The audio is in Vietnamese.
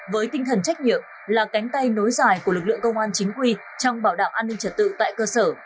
với tinh thần trách nhiệm là cánh tay nối dài của lực lượng công an chính quy trong bảo đảm an ninh trật tự tại cơ sở